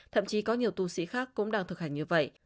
thậm chí có nhiều tu sĩ khác cũng đang thực hành như vậy